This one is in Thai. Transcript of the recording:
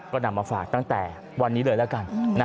ก็นำมาฝากตั้งแต่วันนี้เลยแล้วกัน